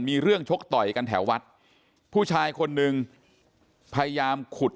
มีเรื่องชกต่อยกันแถววัดผู้ชายคนนึงพยายามขุด